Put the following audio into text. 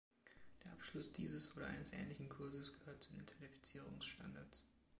Der Abschluss dieses oder eines ähnlichen Kurses gehört zu den Zertifizierungsstandards.